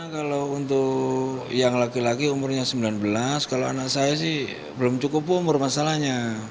kalau untuk yang laki laki umurnya sembilan belas kalau anak saya sih belum cukup umur masalahnya